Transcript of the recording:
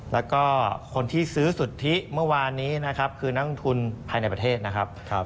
แล้วก็คนที่ซื้อสุทธิเมื่อวานนี้นะครับคือนักลงทุนภายในประเทศนะครับ